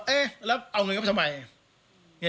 เอ๊ะแล้วเอาหนึ่งออกไปทำไม